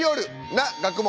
な学問」